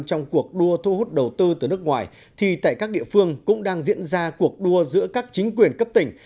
trong cuộc đua thu hút đầu tư từ nước ngoài thì tại các địa phương cũng đang diễn ra cuộc đua giữa các chính quyền cấp tỉnh